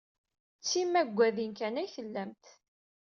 D timaggadin kan ay tellamt.